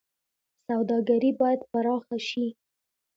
سوداګري باید پراخه شي